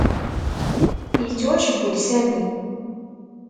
Yettwacewwel Sami.